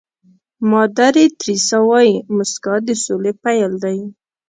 مادر تیریسا وایي موسکا د سولې پيل دی.